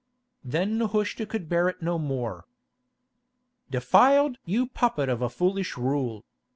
Then Nehushta could bear it no more. "Defiled! you puppet of a foolish rule!